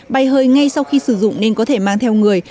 bay hơi ngay sau khi sử dụng nên có thể mang theo người